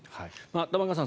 玉川さん